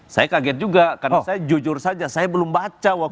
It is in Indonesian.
saya kaget juga karena saya jujur saja saya belum baca